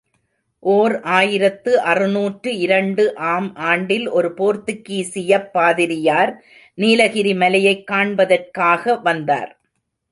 ஓர் ஆயிரத்து அறுநூற்று இரண்டு ஆம் ஆண்டில் ஒரு போர்த்துகீசியப் பாதிரியார், நீலகிரி மலையைக் காண்பதற்காக வந்தார்.